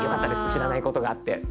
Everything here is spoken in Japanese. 知らないことがあって。